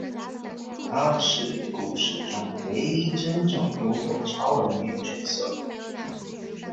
他是故事中唯一真正拥有超能力的角色。